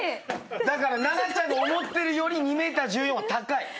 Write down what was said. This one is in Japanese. だから奈々ちゃんが思ってるより２ｍ１４は高い。